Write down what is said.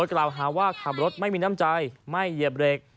กล่าวหาว่าขับรถไม่มีน้ำใจไม่เหยียบเบรก